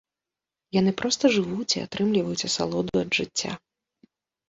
Яны проста жывуць і атрымліваюць асалоду ад жыцця.